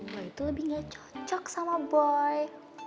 gue itu lebih gak cocok sama boy